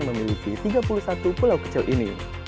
dan memberi makan ikan hiu paus di kecamatan